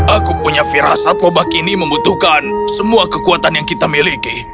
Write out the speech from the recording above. aku punya firasat lobak ini membutuhkan semua kekuatan yang kita miliki